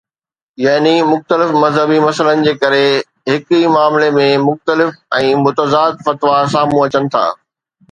يعني مختلف مذهبي مسئلن جي ڪري هڪ ئي معاملي ۾ مختلف ۽ متضاد فتوا سامهون اچن ٿا